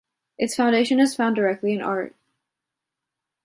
Its foundation is found directly in art.